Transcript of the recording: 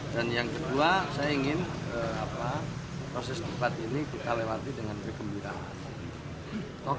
dan yang kedua saya ingin proses debat ini kita lewati dengan berkembang